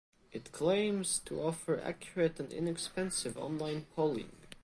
It claims to offer accurate and inexpensive online polling.